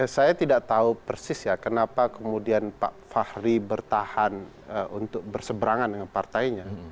saya tidak tahu persis ya kenapa kemudian pak fahri bertahan untuk berseberangan dengan partainya